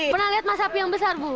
pernah lihat masapi yang besar bu